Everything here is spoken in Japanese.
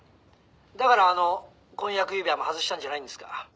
「だからあの婚約指輪も外したんじゃないんですか？」